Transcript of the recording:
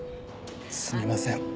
すみません